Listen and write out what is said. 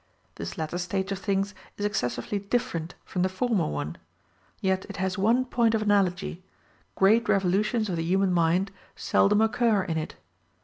This latter state of things is excessively different from the former one; yet it has one point of analogy great revolutions of the human mind seldom occur in it.